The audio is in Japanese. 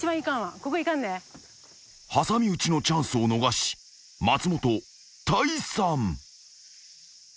［挟み撃ちのチャンスを逃し松本退散］